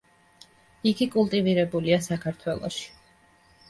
იგი კულტივირებულია საქართველოში.